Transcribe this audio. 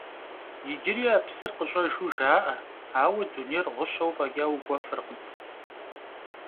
Иджыри а псыр къыщӀэжу жаӀэ, ауэ дунейр гъущэу фӀэкӀа укӀуэфыркъым.